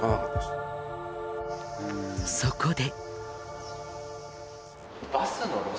そこで。